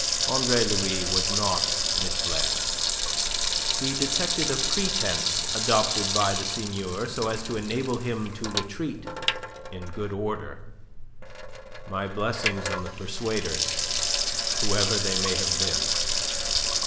Andre Louis was not misled. He detected a pretence adopted by the Seigneur so as to enable him to retreat in good order. "My blessings on the persuaders, whoever they may have been.